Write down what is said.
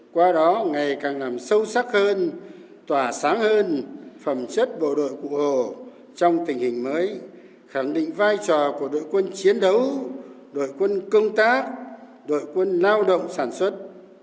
qua đó ngày càng nằm sâu sắc hơn tỏa sáng hơn phẩm chất bộ đội cụ hồ trong tình hình mới khẳng định vai trò của đội quân chiến đấu đội quân công tác đội quân lao động sản xuất